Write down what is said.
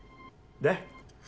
で？